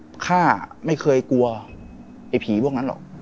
สองครั้งอ่าฆ่าไม่เคยกลัวไอ้ผีพวกนั้นหรอก